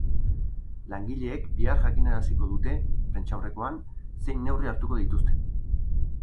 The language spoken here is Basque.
Langileek bihar jakinaraziko dute, prentsaurrekoan, zein neurri hartuko dituzten.